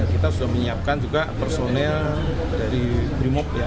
kita sudah menyiapkan juga personel dari brimop